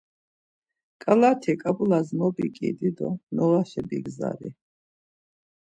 Ǩalati ǩap̌ulas mobiǩidi do noğaşa bigzali.